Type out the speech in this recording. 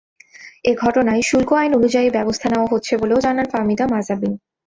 এ ঘটনায় শুল্ক আইন অনুযায়ী ব্যবস্থা নেওয়া হচ্ছে বলেও জানান ফাহমিদা মাহজাবীন।